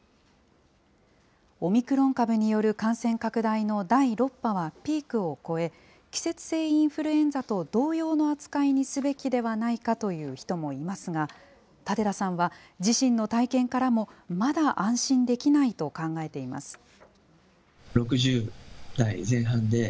オミクロン株による感染拡大の第６波はピークを超え、季節性インフルエンザと同様の扱いにすべきではないかという人もいますが、舘田さんは、自身の体験からもまだ安心できないと考えています。